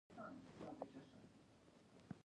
قلم د پوهنتوني محصل قوت دی